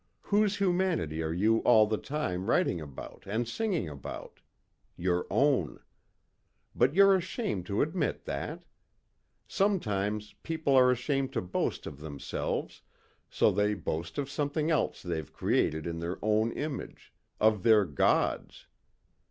Whose humanity are you all the time writing about and singing about? Your own. But you're ashamed to admit that. Sometimes people are ashamed to boast of themselves so they boast of something else they've created in their own image of their Gods.